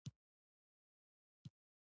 پابندی غرونه د افغانستان د زرغونتیا نښه ده.